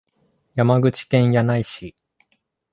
山口県柳井市